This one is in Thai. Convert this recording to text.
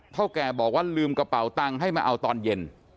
เท่าแก่บอกว่าลืมกระเป๋าตังค์ให้มาเอาตอนเย็น